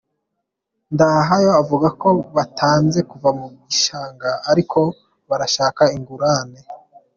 Ndahayo avuga ko batanze kuva mu gishanga ariko ngo barashaka ingurane.